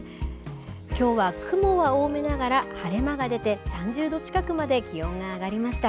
きょうは雲は多めながら、晴れ間が出て、３０度近くまで気温が上がりました。